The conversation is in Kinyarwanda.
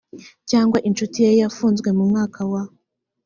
cyangwa incuti ye yafunzwe mu mwaka wa